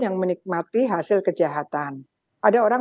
yang menikmati hasil kejahatan ada orang